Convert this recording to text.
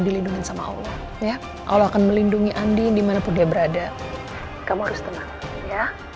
dilindungi sama allah ya allah akan melindungi andi dimanapun dia berada kamu harus tenang ya